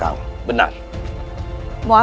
kau membuat siapanya primary diprotektur